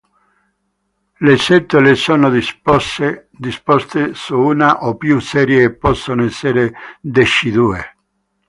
Le setole sono disposte su una o più serie e possono essere decidue.